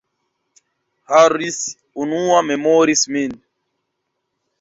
Harris, unua, memoris min.